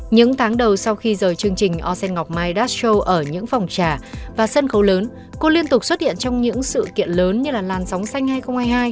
những tháng đầu sau khi rời chương trình osen ngọc mai dash show ở những phòng trà và sân khấu lớn cô liên tục xuất hiện trong những sự kiện lớn như là lan sóng xanh hai nghìn hai mươi hai